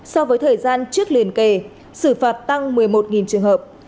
so với thời gian trước liên kề xử phạt tăng một mươi một trường hợp